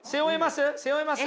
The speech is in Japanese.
背負えます？